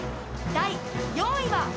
第４位は。